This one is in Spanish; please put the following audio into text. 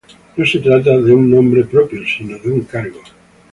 No se trata de un nombre propio, sino de un cargo.